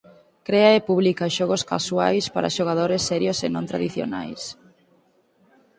Crea e publica xogos casuais para xogadores serios e non tradicionais.